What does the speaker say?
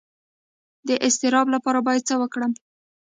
د اضطراب لپاره باید څه وکړم؟